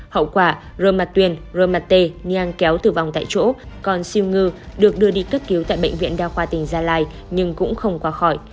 hậu quả roma t roma t niang kéo tử vong tại chỗ còn siêu ngư được đưa đi cất cứu tại bệnh viện đa khoa tỉnh gia lai nhưng cũng không qua khỏi